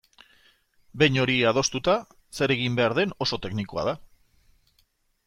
Behin hori adostuta, zer egin behar den oso teknikoa da.